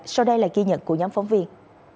sau đây là ghi nhận của nhóm phóng viên